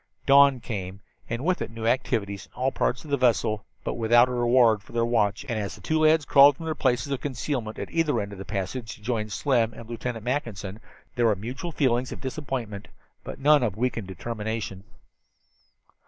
Dawn came, and with it new activities in all parts of the vessel, but without a reward for their watch, and as the two lads crawled from their places of concealment at either end of the passage, to join Slim and Lieutenant Mackinson, there were mutual feelings of disappointment, but none of weakened determination.